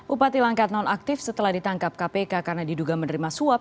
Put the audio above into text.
upati langkat nonaktif setelah ditangkap kpk karena diduga menerima suap